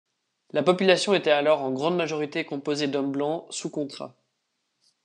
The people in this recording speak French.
La population était alors en grande majorité composée d’hommes blancs, sous contrat.